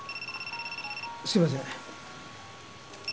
すいません。